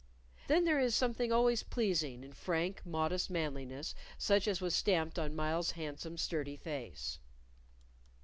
Then there is something always pleasing in frank, modest manliness such as was stamped on Myles's handsome, sturdy face.